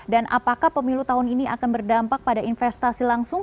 dan apakah pemilu tahun ini akan berdampak pada investasi langsung